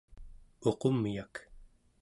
uqumyak